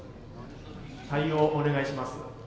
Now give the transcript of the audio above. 「対応お願いします」。